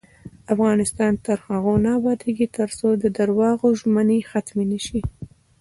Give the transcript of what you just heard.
افغانستان تر هغو نه ابادیږي، ترڅو د درواغو ژمنې ختمې نشي.